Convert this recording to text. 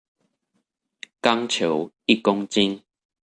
鋼球一公斤